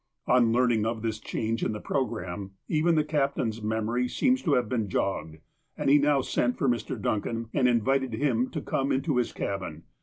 On learning of this change in the programme, even the captain's memory seems to have been jogged, and he now sent for Mr. Duncan, and invited him to come into his cabin.